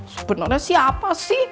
sebenernya siapa sih